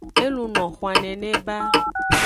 E luno xwan nene ba.